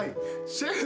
シェフ！